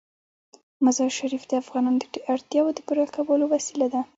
مزارشریف د افغانانو د اړتیاوو د پوره کولو وسیله ده.